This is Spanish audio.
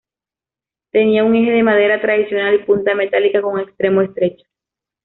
Tenía un eje de madera tradicional y punta metálica, con un extremo estrecho.